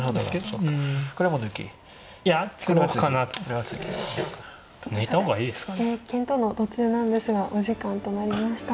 さて検討の途中なんですがお時間となりました。